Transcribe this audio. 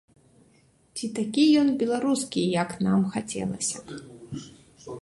Ці такі ён беларускі, як нам хацелася б?